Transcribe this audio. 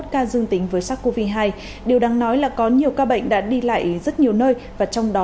một ca dương tính với sars cov hai điều đáng nói là có nhiều ca bệnh đã đi lại rất nhiều nơi và trong đó